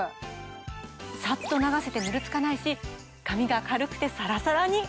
サッと流せてヌルつかないし髪が軽くてサラサラに！